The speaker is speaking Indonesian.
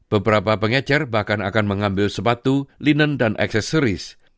beberapa pengecer bahkan akan mengambil sepatu linen dan aksesoris